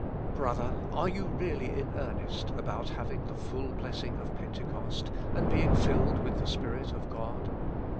Brother, are you really in earnest about having the full blessing of Pentecost and being filled with the Spirit of God